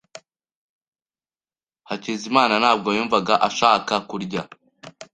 Hakizimana ntabwo yumvaga ashaka kurya.